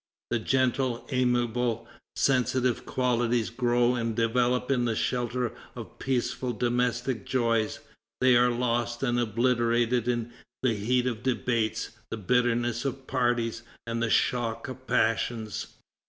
The gentle, amiable, sensitive qualities grow and develop in the shelter of peaceful domestic joys; they are lost and obliterated in the heat of debates, the bitterness of parties, and the shock of passions.